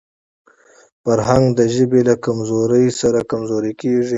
فرهنګ د ژبي له کمزورۍ سره کمزورې کېږي.